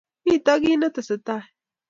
Mito kiy ne tesetai